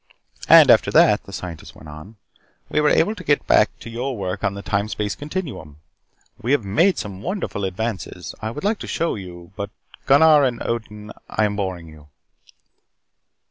"And after that," the Scientist went on, "we were able to get back to your work on the Time Space Continuum. We have made some wonderful advances. I would like to show you but Gunnar and Odin, I am boring you."